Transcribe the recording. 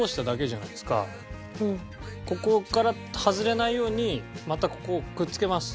ここから外れないようにまたここをくっ付けます。